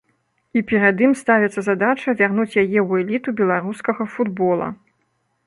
І перад ім ставіцца задача вярнуць яе ў эліту беларускага футбола.